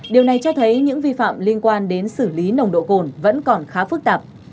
điều này cho thấy những vi phạm liên quan đến xử lý nồng độ cồn vẫn còn khá phức tạp